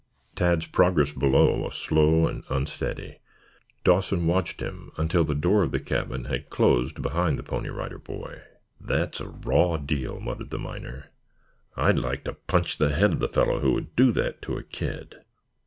Tad's progress below was slow and unsteady. Dawson watched him until the door of the cabin had closed behind the Pony Rider Boy. "That's a raw deal," muttered the miner. "I'd like to punch the head of the fellow who would do that to a kid!"